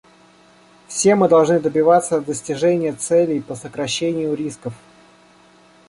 Все мы должны добиваться достижения целей по сокращению рисков.